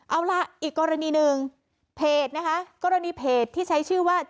เอาล่ะอีกกรณีหนึ่งเพจนะคะกรณีเพจที่ใช้ชื่อว่า